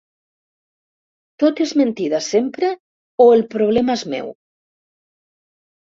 ¿Tot és mentida sempre, o el problema és meu?